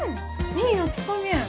いい焼き加減。